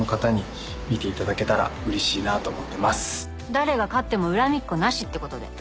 「誰が勝っても恨みっこなしってことで」